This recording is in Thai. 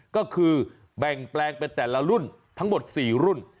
ก็คือแบ่งแปลงเป็นแต่ละรุ่นทั้งหมด๔รุ่น